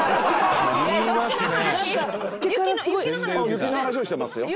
雪の話をしてますよ。